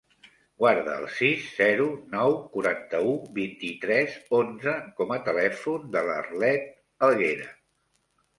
Guarda el sis, zero, nou, quaranta-u, vint-i-tres, onze com a telèfon de l'Arlet Aguera.